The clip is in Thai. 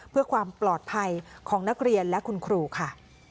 เพื่อความปลอดภัยของนักเรียนและคุณครูค่ะ